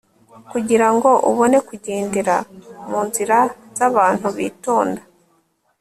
Kugira ngo ubone kugendera mu nzira zabantu bitonda